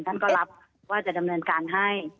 ท่านก็รับว่าจะดำเนินการให้